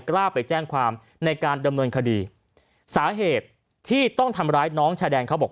กล้าไปแจ้งความในการดำเนินคดีสาเหตุที่ต้องทำร้ายน้องชายแดนเขาบอก